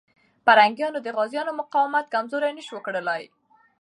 پرنګیان د غازيانو مقاومت کمزوری نسو کړای.